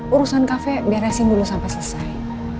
urusan kafe beresin dulu sampai selesai